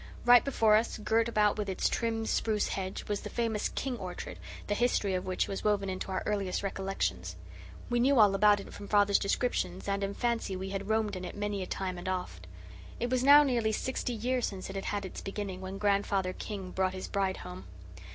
Right before us, girt about with its trim spruce hedge, was the famous King orchard, the history of which was woven into our earliest recollections. We knew all about it, from father's descriptions, and in fancy we had roamed in it many a time and oft. It was now nearly sixty years since it had had its beginning, when Grandfather King brought his bride home.